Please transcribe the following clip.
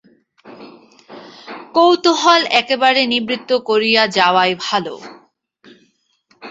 কৌতূহল একেবারে নিবৃত্ত করিয়া যাওয়াই ভালো।